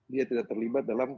dia tidak terlibat dalam